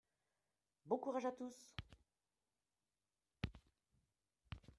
bon courage à tous.